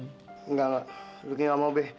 enggak mbak ruki gak mau be